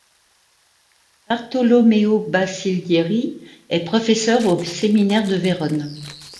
Bartolomeo Bacilieri est professeur au séminaire de Vérone.